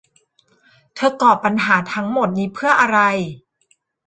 เธอก่อปัญหาทั้งหมดนี้เพื่ออะไร